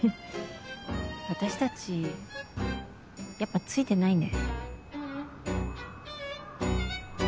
私たちやっぱついてないね。